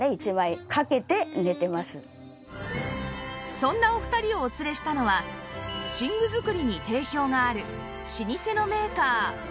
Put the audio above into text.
そんなお二人をお連れしたのは寝具作りに定評がある老舗のメーカーモリリン